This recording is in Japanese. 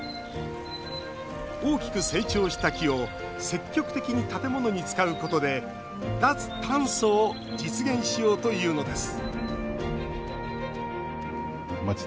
大きく成長した木を積極的に建物に使うことで脱炭素を実現しようというのです